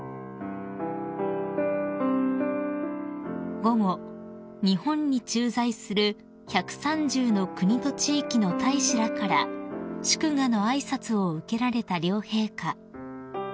［午後日本に駐在する１３０の国と地域の大使らから祝賀の挨拶を受けられた両陛下］